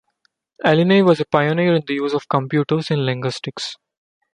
Alinei was a pioneer in the use of computers in linguistics.